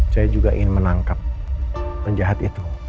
saya juga ingin menangkap penjahat itu